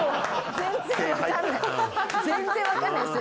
全然わかんないですよ。